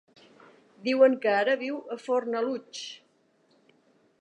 Diuen que ara viu a Fornalutx.